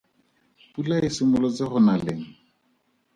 Pula e simolotse go na leng?